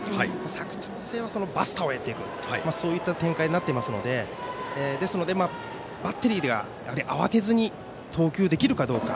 佐久長聖はバスターをやっていてそういった展開になっているのでですので、バッテリーは慌てずに投球できるかどうか。